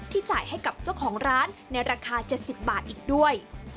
จ่ายให้กับเจ้าของร้านในราคา๗๐บาทอีกด้วย